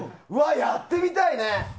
やってみたいね。